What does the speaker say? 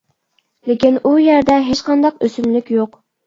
لېكىن ئۇ يەردە ھېچقانداق ئۆسۈملۈك يوق.